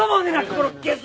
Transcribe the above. このゲス